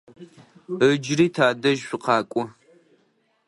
Ыджыри тадэжь шъукъакӏо.